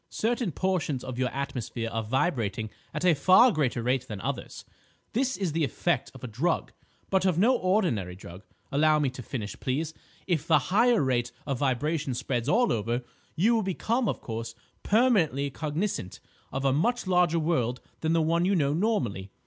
Certain portions of your atmosphere are vibrating at a far greater rate than others. This is the effect of a drug, but of no ordinary drug. Allow me to finish, please. If the higher rate of vibration spreads all over, you will become, of course, permanently cognisant of a much larger world than the one you know normally.